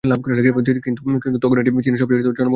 কিন্তু তখনও এটি চীনের সবচেয়ে জনবহুল প্রদেশ ছিল।